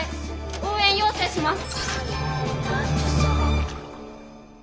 応援要請します。